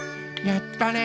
やったね。